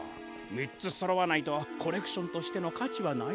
みっつそろわないとコレクションとしてのかちはないで。